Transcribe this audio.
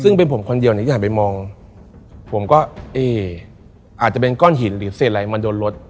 ซึ่งเป็นผมคนเดียวเนี่ยที่หันไปมองผมก็เอ๊อาจจะเป็นก้อนหินหรือเศษอะไรมาโดนรถ